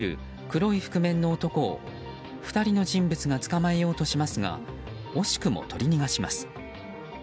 八木容疑者とみられる黒い覆面の男を２人の人物が捕まえようとしますが惜しくも取り逃がします。